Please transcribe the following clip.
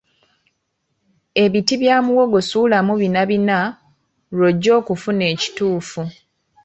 Ebiti bya muwogo suulamu bina bina lw'ojja okufuna ekituufu.